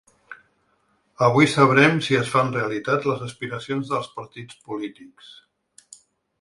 Avui sabrem si es fan realitat les aspiracions dels partits polítics.